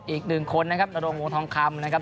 อีกหนึ่งคนนะครับนรงวงทองคำนะครับ